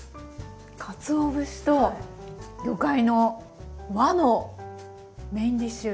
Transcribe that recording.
かつお節と魚介の和のメインディッシュ。